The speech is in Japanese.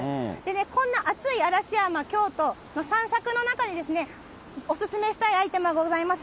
こんな暑い嵐山・京都の散策の中で、お勧めしたいアイテムがございます。